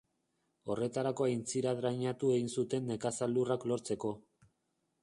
Horretarako aintzira drainatu egin zuten nekazal lurrak lortzeko.